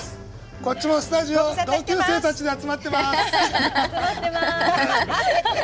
こっちもスタジオ同級生たちで集まっています！